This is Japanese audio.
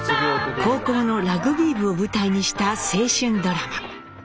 高校のラグビー部を舞台にした青春ドラマ。